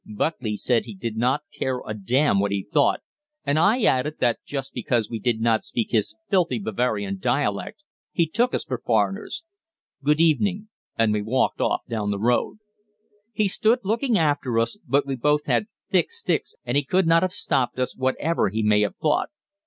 Buckley said he did not care a damn what he thought, and I added that just because we did not speak his filthy Bavarian dialect he took us for foreigners, "Good evening" and we walked off down the road. He stood looking after us, but we both had thick sticks and he could not have stopped us whatever he may have thought.